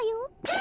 え！